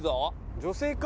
女性か。